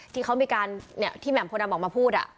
ที่เขามีการที่แหม่มโพดำออกมาพูด